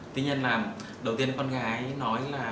tuy nhiên là đầu tiên con gái nói là